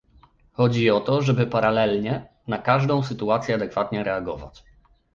Chodzi o to, żeby paralelnie na każdą sytuację adekwatnie reagować